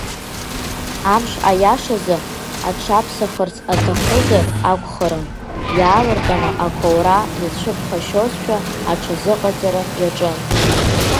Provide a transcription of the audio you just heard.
Амш, аиашазы, аҽаԥсахырц аҭахызар акәхарын, иаалырҟьаны ақәоура иацәыԥхашьозшәа, аҽазыҟаҵара иаҿын.